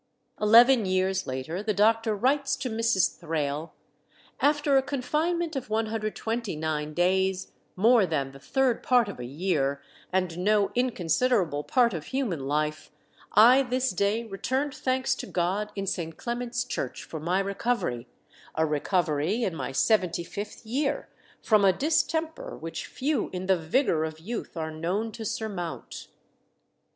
'" Eleven years later the doctor writes to Mrs. Thrale, "after a confinement of 129 days, more than the third part of a year, and no inconsiderable part of human life, I this day returned thanks to God in St. Clement's Church for my recovery a recovery, in my 75th year, from a distemper which few in the vigour of youth are known to surmount."